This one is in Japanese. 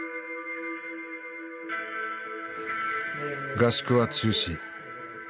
合宿は中止。